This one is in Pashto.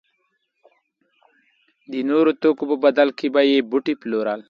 د نورو توکو په بدل کې به یې بوټي پلورل.